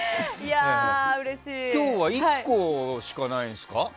今日は１個しかないんですか？